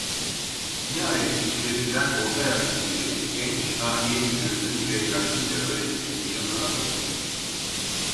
Nihayet içlerinden orta yaşlı biri genç nahiye müdürünün ve yaşlıca öğretmenin yanına sokuldu.